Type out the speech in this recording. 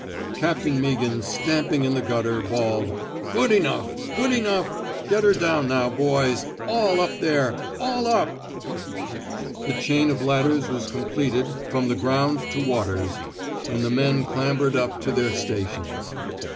Captain Meaghan, stamping in the gutter, bawled :Good enough ! Good enough ! Get her down, now, boys. All up there! All up!" The chain of ladders was completed from 186 TEAINING ^' SALLY" WATEES the ground to Waters, and the men clambered up to their stations.